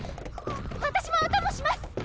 私もお供します！